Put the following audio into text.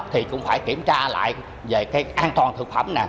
thì cũng phải kiểm tra lại về cái an toàn thực phẩm này